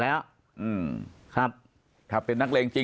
ปากกับภาคภูมิ